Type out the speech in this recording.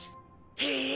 へえ。